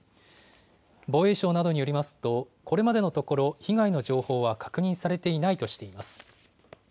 防衛省などによりますとこれまでのところ被害の情報は確認されていないとしています。